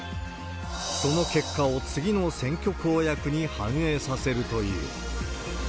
その結果を次の選挙公約に反映させるという。